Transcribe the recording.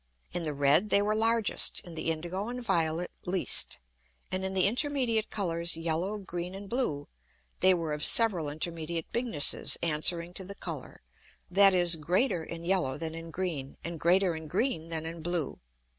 In the red they were largest, in the indigo and violet least, and in the intermediate Colours yellow, green, and blue, they were of several intermediate Bignesses answering to the Colour, that is, greater in yellow than in green, and greater in green than in blue.